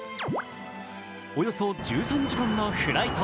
およそ１３時間のフライト。